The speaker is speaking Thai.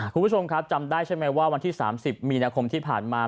คุณผู้ชมครับจำได้ใช่ไหมว่าวันที่๓๐มีนาคมที่ผ่านมา